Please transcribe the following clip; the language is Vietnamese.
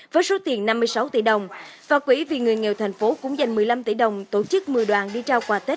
với số tiền năm mươi sáu tỷ đồng và quỹ vì người nghèo thành phố cũng dành một mươi năm tỷ đồng tổ chức một mươi đoàn đi trao quà tết